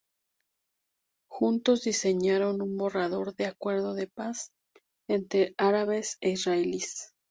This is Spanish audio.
Juntos diseñaron un borrador de acuerdo de paz entre árabes e israelíes.